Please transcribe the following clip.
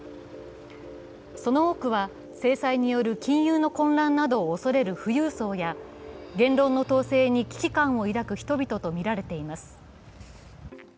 その多くは制裁による金融の混乱などを恐れる富裕層や言論の統制に危機感を抱く人々とみられています。